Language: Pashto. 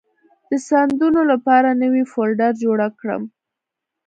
د سندونو لپاره نوې فولډر جوړه کړم.